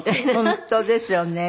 本当ですよね。